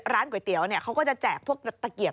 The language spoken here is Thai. ร้านก๋วยเตี๋ยวเนี่ยเขาก็จะแจกพวกตะเกียบ